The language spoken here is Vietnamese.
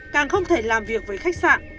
càng không thể làm việc với khách sạn